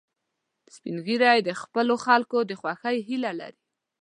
سپین ږیری د خپلو خلکو د خوښۍ هیله لري